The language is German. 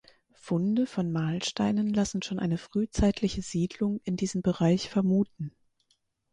Funde von Mahlsteinen lassen schon eine frühzeitliche Siedlung in diesem Bereich vermuten.